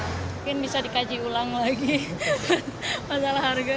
mungkin bisa dikaji ulang lagi masalah harga